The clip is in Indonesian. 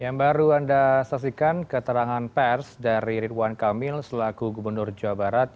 yang baru anda saksikan keterangan pers dari ridwan kamil selaku gubernur jawa barat